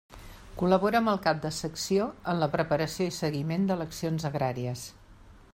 Col·labora amb el cap de secció en la preparació i seguiment d'eleccions agràries.